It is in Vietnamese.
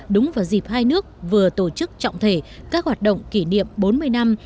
đúng vào dịp hai nước vừa tổ chức trọng thể các hoạt động kỷ niệm bốn mươi năm